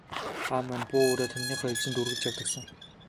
Аав маань буу үүрээд хониныхоо ээлжид үргэлж явдаг сан.